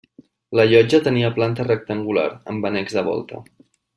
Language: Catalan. La Llotja tenia planta rectangular, amb annex de volta.